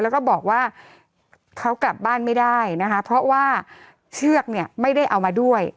แล้วก็บอกว่าเขากลับบ้านไม่ได้นะคะเพราะว่าเชือกเนี่ยไม่ได้เอามาด้วย